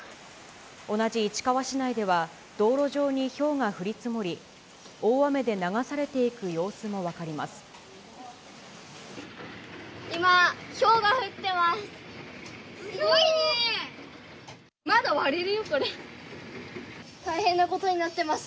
同じ市川市内では、道路上にひょうが降り積もり、大雨で流されて今、ひょうが降ってます。